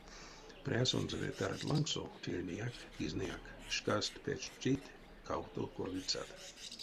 Прясонзо ве тарад лангсо тельняяк, кизнаяк шкаст печтить кавто горлицат.